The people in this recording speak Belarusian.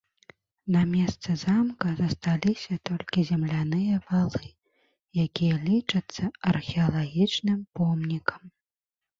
На месцы замка засталіся толькі земляныя валы, якія лічацца археалагічным помнікам.